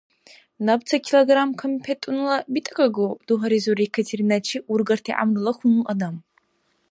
— Наб ца килограмм къампетӀунала битӀакӀагу, — дугьаризур Екатериначи ургарти гӀямрула хьунул адам.